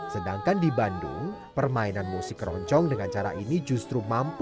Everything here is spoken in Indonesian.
sedangkan di bandung permainan musik keroncong dengan cara ini justru mampu